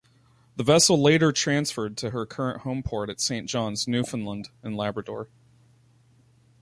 The vessel later transferred to her current homeport at Saint John's, Newfoundland and Labrador.